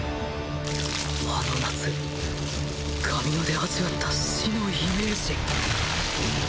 あの夏神野で味わった死のイメージ